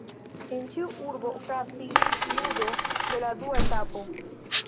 En ĉiu urbo okazis ludo de la dua etapo.